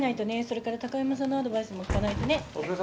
それから高山さんのアドバイスも聞かないとね。